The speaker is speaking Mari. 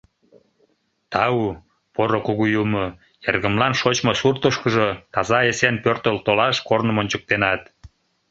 Тау, Поро Кугу Юмо, эргымлан шочмо суртышкыжо таза-эсен пӧртыл толаш корным ончыктенат!